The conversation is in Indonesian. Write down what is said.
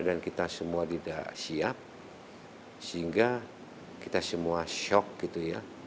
karena kita semua tidak siap sehingga kita semua shock gitu ya